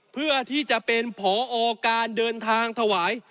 เพื่อที่จะเป็นผอการเดินทางถวาย